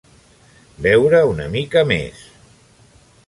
Veure una mica més.